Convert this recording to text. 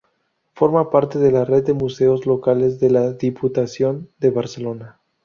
Forma parte de la Red de Museos Locales de la Diputación de Barcelona.